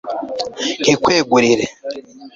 nkikwegurire